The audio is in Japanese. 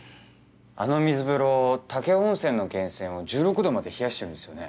あの水風呂武雄温泉の源泉を１６度まで冷やしてるんですよね？